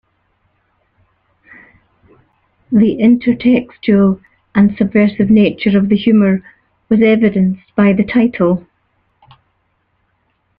The intertextual and subversive nature of the humour was evidenced by the title.